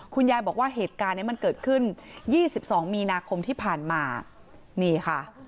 คุณยายบอกว่าเหตุการณ์นี้มันเกิดขึ้น๒๒มีนาคมที่ผ่านมานี่ค่ะ